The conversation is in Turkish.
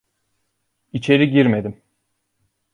İçeri girmedim.